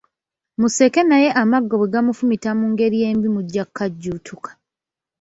Museka naye amaggwa bwe gamufumita mu ngeri embi mujja kukajjuutuka.